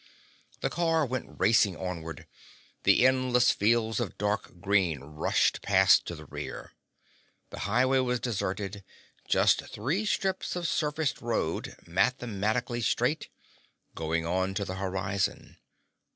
The car went racing onward. The endless fields of dark green rushed past to the rear. The highway was deserted, just three strips of surfaced road, mathematically straight, going on to the horizon.